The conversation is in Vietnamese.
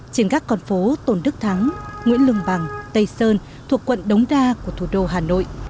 trên các con phố tôn đức thắng nguyễn lương bằng tây sơn thuộc quận đống đa của thủ đô hà nội